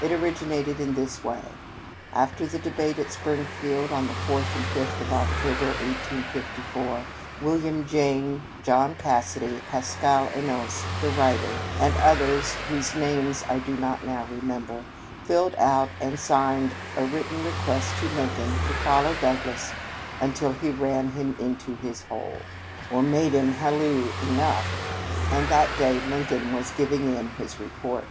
It originated in this way : After the debate at Springfield on the 4th and 5th of October, 1854, William Jayne, John Cassiday, Pascal Enos, the writer, and others whose names I do not now remember, filled out and signed a written request to Lincoln to follow Douglas until he 'ran him into his hole ' or made him halloo ' Enough,' and that day Lincoln was giving in his report.